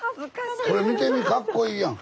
見てみかっこいいやん。